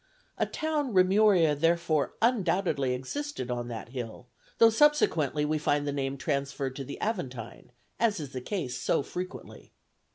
A town Remuria therefore undoubtedly existed on that hill, though subsequently we find the name transferred to the Aventine, as is the case so frequently.